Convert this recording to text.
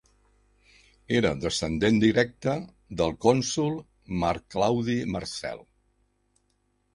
Era descendent directe del cònsol Marc Claudi Marcel.